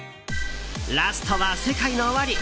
ラストはＳＥＫＡＩＮＯＯＷＡＲＩ。